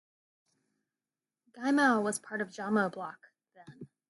Gaimau was part of Jamo block then.